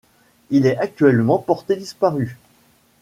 Il est actuellement porté disparu.